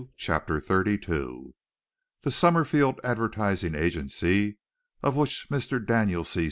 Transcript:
CHAPTER XXXII The Summerfield Advertising Agency, of which Mr. Daniel C.